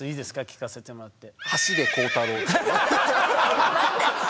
聞かせてもらって。